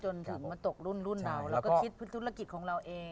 จนถึงมาตกรุ่นรุ่นเราเราก็คิดธุรกิจของเราเอง